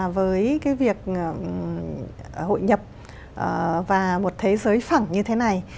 với cái việc hội nhập và một thế giới phẳng như thế này